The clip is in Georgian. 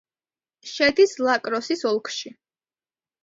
შედის ლა-კროსის ოლქში.